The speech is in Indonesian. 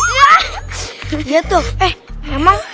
ya tuh eh emang